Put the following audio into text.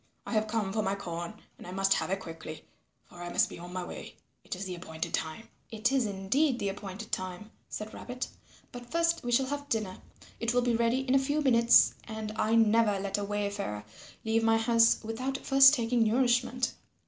I have come for my corn and I must have it quickly, for I must be on my way. It is the appointed time." "It is indeed the appointed time," said Rabbit, "but first we shall have dinner. It will be ready in a few minutes and I never let a wayfarer leave my house without first taking nourishment.